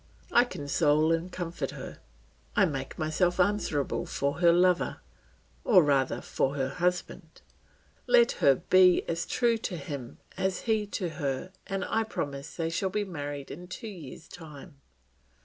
I console and comfort her; I make myself answerable for her lover, or rather for her husband; let her be as true to him as he to her and I promise they shall be married in two years' time.